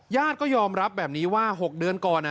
ญาติก็ยอมรับแบบนี้ว่า๖เดือนก่อน